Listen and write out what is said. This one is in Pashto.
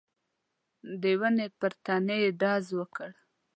د ونې پر تنې يې ډز وکړ.